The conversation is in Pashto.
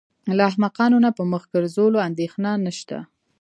له احمقانو نه په مخ ګرځولو اندېښنه نشته.